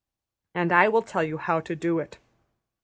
And now I will tell you how to do it.